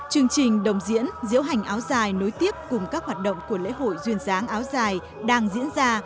chương trình đồng diễn diễu hành áo dài nối tiếp cùng các hoạt động của lễ hội duyên dáng áo dài đang diễn ra